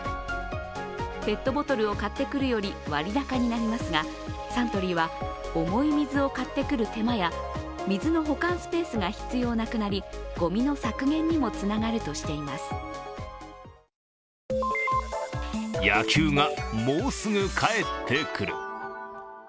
ペットボトルを買ってくるより割高になりますがサントリーは、重い水を買ってくる手間や水の保管スペースが必要なくなりごみの削減にもつながるとしています。